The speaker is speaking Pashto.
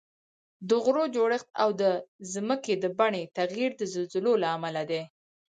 د غرونو جوړښت او د ځمکې د بڼې تغییر د زلزلو له امله دي